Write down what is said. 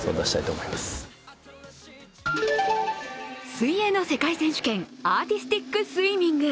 水泳の世界選手権アーティスティックスイミング。